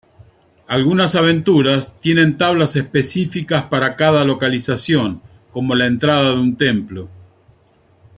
Algunas aventuras tienen tablas específicas para cada localización, como la entrada de un templo.